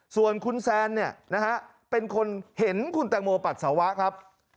ส่วนคุณแซนเนี่ยนะฮะเป็นคนเห็นคุณแตงโมปัสสาวะครับ